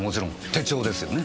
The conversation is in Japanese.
手帳ですよね。